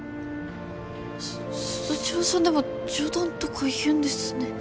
す鈴代さんでも冗談とか言うんですね。